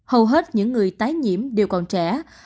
hầu hết những người tái nhiễm đều còn trẻ